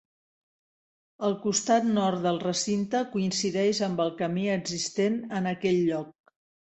El costat nord del recinte coincideix amb el camí existent en aquell lloc.